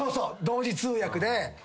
同時通訳で。